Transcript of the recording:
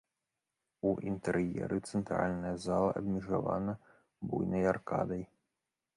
У інтэр'еры цэнтральная зала абмежавана буйнай аркадай.